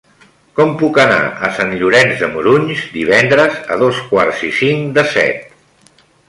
Com puc anar a Sant Llorenç de Morunys divendres a dos quarts i cinc de set?